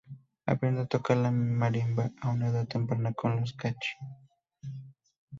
Aprendió a tocar la marimba a una edad temprana con los chachi.